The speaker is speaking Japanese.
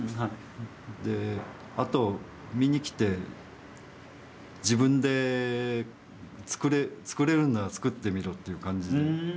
であと見に来て自分で作れるんなら作ってみろっていう感じで。